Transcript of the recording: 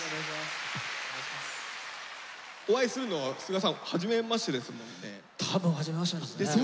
お会いするのはスガさん多分はじめましてですね。